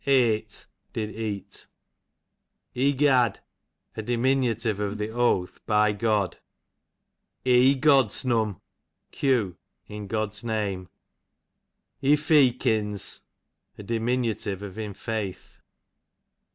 Eete, Eiyght,J Egad, a diminutive of the oath, by God. Egodsnum, q. in God's name. Efeakins, a diminutive of in faith.